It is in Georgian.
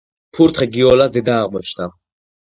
ფურთხე გიოლას დედა აღმოჩნდა